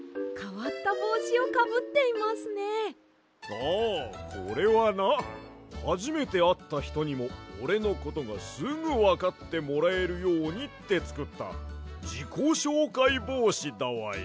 ああこれはなはじめてあったひとにもおれのことがすぐわかってもらえるようにってつくったじこしょうかいぼうしだわや。